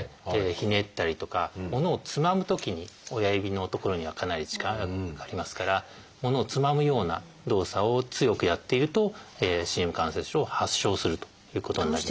ひねったりとか物をつまむときに親指の所にはかなり力がかかりますから物をつまむような動作を強くやっているとＣＭ関節症を発症するということになります。